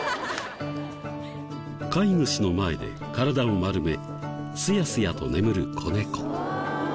飼い主の前で体を丸めスヤスヤと眠る子猫。